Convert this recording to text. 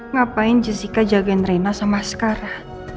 ngapain jessica jagain reina sama askara